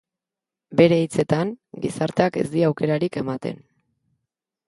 Bere hitzetan, gizarteak ez die aukerarik ematen.